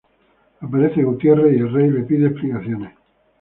Aparece Gutierre y el rey le pide explicaciones.